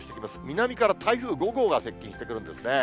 南から台風５号が接近してくるんですね。